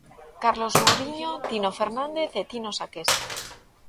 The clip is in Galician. Carlos Mouriño, Tino Fernández e Tino Saqués.